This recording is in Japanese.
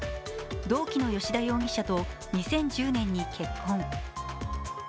同期の吉田容疑者と２０１０年に結婚。